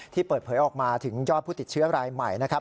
เปิดเผยออกมาถึงยอดผู้ติดเชื้อรายใหม่นะครับ